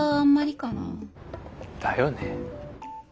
だよね。